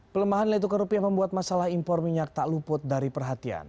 pelemahan nilai tukar rupiah membuat masalah impor minyak tak luput dari perhatian